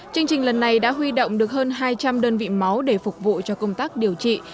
chương trình lần này đã huy động được hơn hai trăm linh đơn vị máu để phục vụ cho công tác điều trị